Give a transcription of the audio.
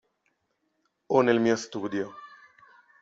O nel mio studio.